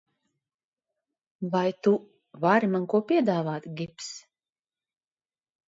Vai tu vari man ko piedāvāt, Gibss?